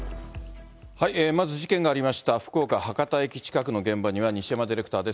まず、事件がありました福岡・博多駅近くの現場には、西山ディレクターです。